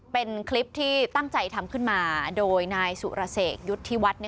เป็นคลิปที่ตั้งใจทำขึ้นมาโดยนายสุรเสกยุทธิวัฒน์